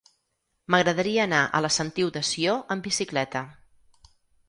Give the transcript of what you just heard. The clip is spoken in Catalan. M'agradaria anar a la Sentiu de Sió amb bicicleta.